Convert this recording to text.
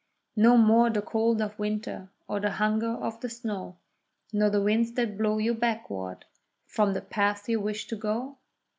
No more the cold of winter, or the hunger of the snow, Nor the winds that blow you backward from the path you wish to go?